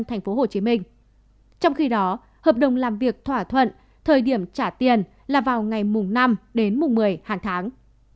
trong khi đó hợp đồng làm việc thỏa thuận thời điểm trả tiền là vào ngày mùng năm đến mùng một mươi hàng tháng